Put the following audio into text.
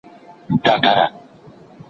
موږ به د خپلو مشرانو ښې کړنې تل یادوو.